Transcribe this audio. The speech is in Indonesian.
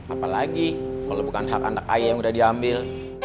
apalagi kalau bukan hak anak ayah yang udah diambil